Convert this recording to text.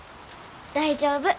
大丈夫。